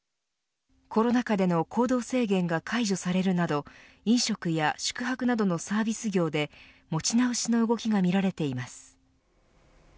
コロナ禍での行動制限が解除されるなど飲食や宿泊などのサービス業で持ち直しの動きがみられています。